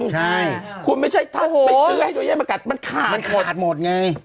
ใช่คุณไม่ใช่ถ้าไปซื้อให้โดยแยกประกัดมันขาดมันขาดหมดไง